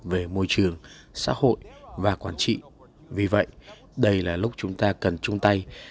về môi trường xã hội và quản trị vì vậy đây là lúc chúng ta cần chung tay